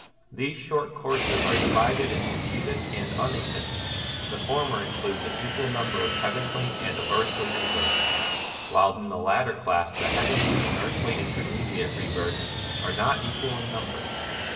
These short courses are divided into Even and Uneven ;— the former includes an equal number of heavenly and of earthly rebirths ; while in the latter class the heavenly and the earthly intermediate rebirths are not equal in number.